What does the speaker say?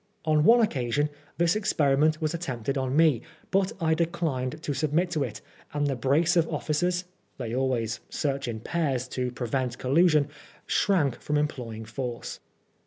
On one occasion this experiment was attempted on me, but I declined to submit to it, and the brace of officers (they always search in pairs, to prevent collusion) shrank from employing force.